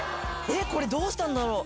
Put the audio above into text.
これどうしたんだろう？